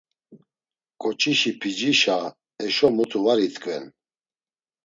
K̆oçişi p̆icişa eşo mutu var itkven.